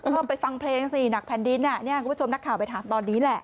ไปฟังเพลงสิหนักแผ่นดินคุณผู้ชมนักข่าวไปถามตอนนี้แหละ